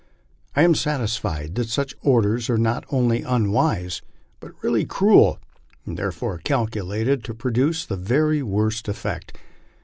I am satisfied that such orders are not only unwise but really cruel, and therefore calculated to produce the very worst effect.